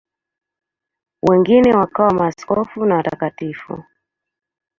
Wengine wakawa maaskofu na watakatifu.